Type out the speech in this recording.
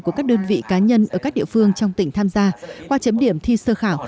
của các đơn vị cá nhân ở các địa phương trong tỉnh tham gia qua chấm điểm thi sơ khảo